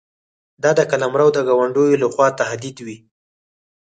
د ده قلمرو د ګاونډیو له خوا تهدید وي.